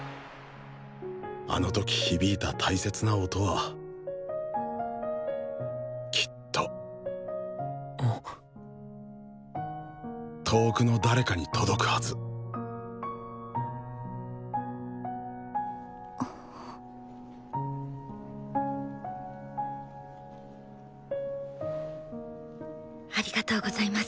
あの時響いた大切な音はきっと遠くの誰かに届くはずありがとうございます。